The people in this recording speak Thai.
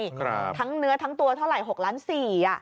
ครับทั้งเนื้อทั้งตัวเท่าไหร่๖ล้านสี่อ่ะ